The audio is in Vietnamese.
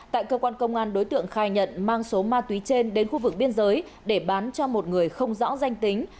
tại cơ quan công an đối tượng khai nhận mang số ma túy trên đến khu vực biên giới để bán cho một người không rõ danh tính